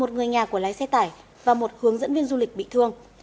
một người nhà của lái xe tải và một hướng dẫn viên du lịch bị thương